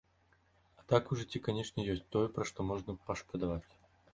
А так у жыцці, канечне, ёсць тое, пра што можна пашкадаваць.